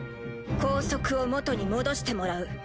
校則を元に戻してもらう。